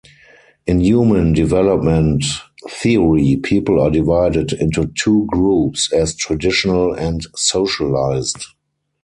In human development theory, people are divided into two groups as traditional and socialized.